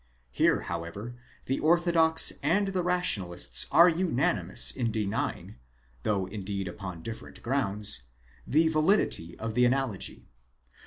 Here however the orthodox and the rationa lists are unanimous in denying, though indeed upon different grounds, the validity of the analogy.